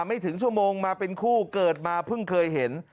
ไม่ถึงชั่วโมงมาเป็นคู่เกิดมาเพิ่งเคยเห็น